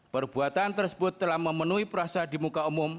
perbuatan tersebut telah memenuhi perasa di muka umum